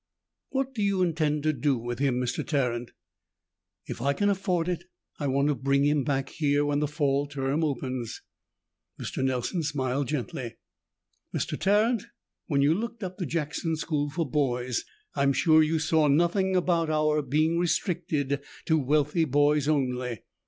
"What do you intend to do with him, Mr. Tarrant?" "If I can afford it, I want to bring him back here when the fall term opens." Mr. Nelson smiled gently. "Mr. Tarrant, when you looked up the Jackson School for Boys, I'm sure you saw nothing about our being restricted to wealthy boys only.